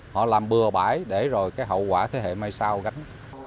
họ làm bừa bãi để rồi cái hậu quả thế hệ mai sau gánh